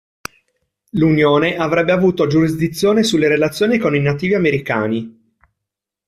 L'Unione avrebbe avuto giurisdizione sulle relazioni con i nativi americani.